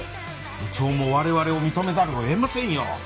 部長も我々を認めざるを得ませんよ。